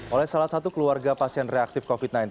oleh salah satu keluarga pasien reaktif covid sembilan belas